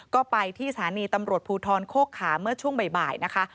ก็ไปที่สถานีตำรวจภูทรโคกขาเมื่อช่วงบ่ายนะคะ